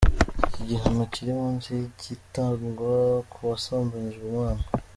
Iki gihano kiri munsi y’igitangwa ku wasambanyije umwana.